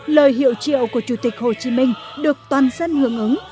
lời hiệu triệu của chủ tịch hồ chí minh được toàn dân hưởng ứng